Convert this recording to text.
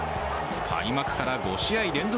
開幕から５試合連続